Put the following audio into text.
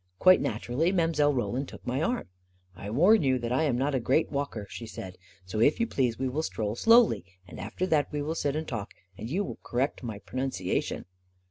Quite naturally Mile. Roland took my arm. 44 1 warn you that I am not a great walker," she said ;" so if you please, we will stroll slowly ; and after that we will sit and talk, and you will correct my pronunciation."